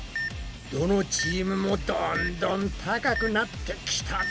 どのチームもどんどん高くなってきたぞ。